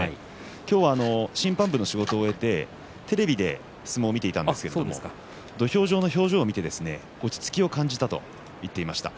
今日は審判部の仕事を終えて、テレビで相撲を見ていたんですけども土俵上の表情を見て落ち着きを感じたと言っていました。